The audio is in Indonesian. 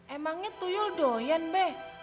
emangnya tuyul doyan be